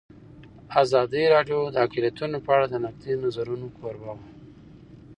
ازادي راډیو د اقلیتونه په اړه د نقدي نظرونو کوربه وه.